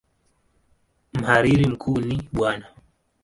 Mhariri mkuu ni Bw.